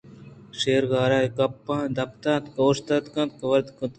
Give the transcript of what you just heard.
شیر غارءِ دپءَاتکءُ اوشتاتءُ ودارے کُت